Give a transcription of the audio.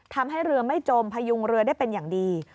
ทำให้เรือไม่จมพยุงเรือได้เป็นอย่างดี